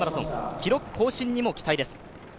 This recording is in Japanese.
記録更新にも期待です。